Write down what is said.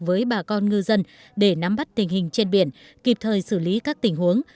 với bà con ngư dân để nắm bắt tình hình trên biển kịp thời xử lý các tình huống